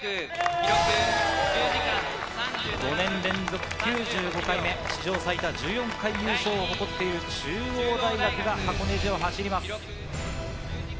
５年連続９５回目、史上最多１４回優勝を誇っている中央大学が箱根路を走ります。